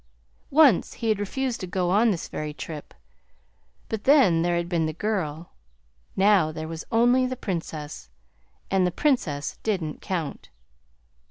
Once he had refused to go on this very trip; but then there had been the girl. Now there was only the Princess and the Princess didn't count."